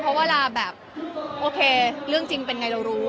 เพราะเวลาแบบโอเคเรื่องจริงเป็นไงเรารู้